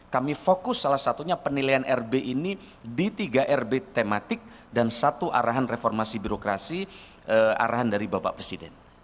kami fokus salah satunya penilaian rb ini di tiga rb tematik dan satu arahan reformasi birokrasi arahan dari bapak presiden